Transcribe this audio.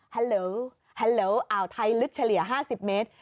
ฮัลโหลฮัลโหลอ้าวไทยลึกเฉลี่ย๕๐เมตร